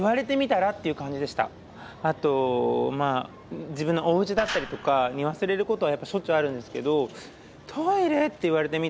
でもあとまあ自分のおうちだったりとかに忘れることはやっぱしょっちゅうあるんですけど僕はねでもあるんですね。